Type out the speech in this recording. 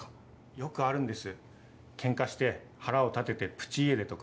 よくあるんですケンカして腹を立ててプチ家出とか。